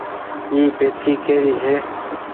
اي پيتي ڪيري ڇي